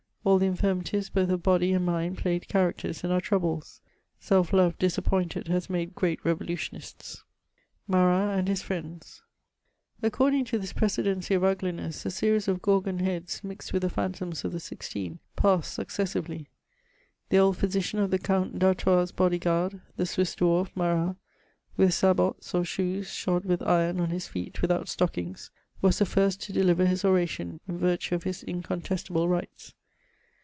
All tne infirmities both of body and mind played characters in our troubles : sdf love disappoiBted has made great revolutioniste. CHATEAUBRIAND. 321 1UBA.T AJTD HIS FBIBinM. AccosDiNG to thiB precedency of uglineBB, a series of gorgon heads, mixed 'with the phantoms of Ihe Sixieen^ passed suooes snrelr. The old physicxan of the Count D'Artois' hody goard, the Swiss dwarf Maiat, with sabots or shoes shod with ircm on his feet wiliioai stoddnga, was the first to deliver his oration, in virtue of his incontestable ri^its.